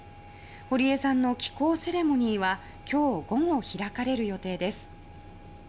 堀江さんの帰港セレモニーは今日午後開かれる予定です。